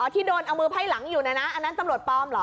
ที่โดนเอามือไพ่หลังอยู่เนี่ยนะอันนั้นตำรวจปลอมเหรอ